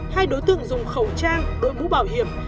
hai đối tượng dùng khẩu trang đội mũ bảo hiểm